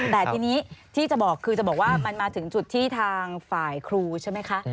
แต่ทีนี้ที่จะบอกคือจะบอกว่ามันมาถึงจุดที่ทางฝ่ายครูใช่ไหมคะ